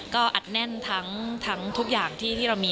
ก็อัดแน่นทั้งทุกอย่างที่เรามี